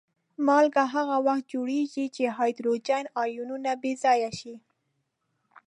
مالګه هغه وخت جوړیږي چې هایدروجن آیونونه بې ځایه شي.